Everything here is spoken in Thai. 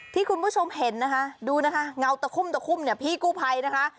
ที่คุณผู้ชมเห็นนะคะดูนะคะเงาตะคุ่มพี่กูไพนะคะ